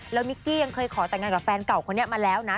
แล้วมิกกี้ยังเคยขอแต่งงานกับแฟนเก่าคนนี้มาแล้วนะ